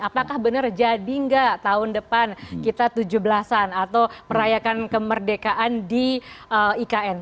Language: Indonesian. apakah benar jadi nggak tahun depan kita tujuh belasan atau perayakan kemerdekaan di ikn